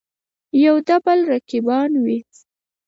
یودبل رقیبان وي.